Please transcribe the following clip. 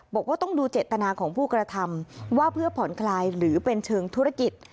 บอกว่าต้องดูเจตนาของผู้กระทำว่าเพื่อผ่อนคลายหรือเป็นเชิงธุรกิจ